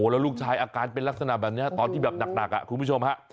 แล้วลูกชายอาการเป็นลักษณะแบบนี้ตอนที่แบบหนักคุณผู้ชมฮะ